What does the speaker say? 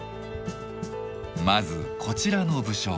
まずこちらの武将。